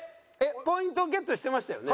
ポイントゲットしてましたよね？